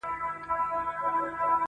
پر هندو او مسلمان یې سلطنت وو،